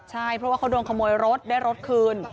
ใช่เพราะว่าเขาโดนขโมยรถได้รถคืน